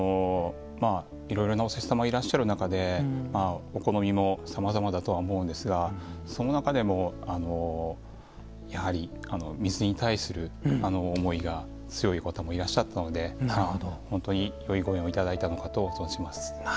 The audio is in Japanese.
いろいろなお施主様がいらっしゃる中でお好みもさまざまだとは思うんですがその中でもやはり水に対する思いが強い方もいらっしゃったので本当によいご縁をいただいたのかと存じます。